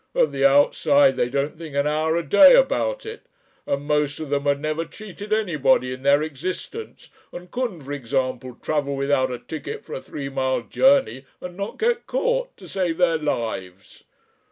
At the outside they don't think an hour a day about it, and most of them had never cheated anybody in their existence, and couldn't, for example, travel without a ticket for a three mile journey and not get caught, to save their lives....